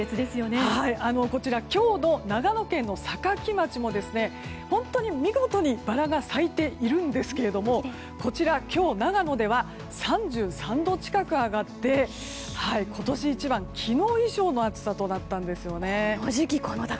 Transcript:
こちら、今日の長野県の坂城町も本当に見事にバラが咲いているんですけどもこちら、今日長野では３３度近く上がって今年一番、昨日以上の暑さとなったんです。